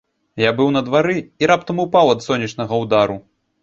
Я быў на двары, і раптам упаў ад сонечнага ўдару.